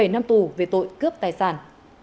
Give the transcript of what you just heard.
một mươi bảy năm tù về tội cướp tài sản